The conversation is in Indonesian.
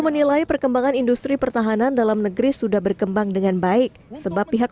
menilai perkembangan industri pertahanan dalam negeri sudah berkembang dengan baik sebab pihak